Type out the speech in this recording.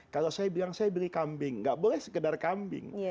kalau saya bilang saya beli kambing nggak boleh sekedar kambing